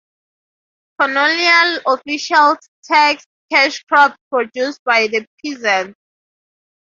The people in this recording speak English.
Colonial officials taxed cash crops produced by the peasants.